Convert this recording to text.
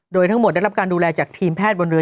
โดยทั้งหมดได้รับการดูแลจากทีมแพทย์บนเรือ